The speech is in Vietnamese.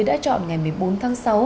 đã chọn ngày một mươi bốn tháng sáu